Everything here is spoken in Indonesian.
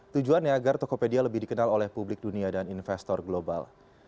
tujuannya agar tokopedia lebih dikenal oleh publik dunia dan investor global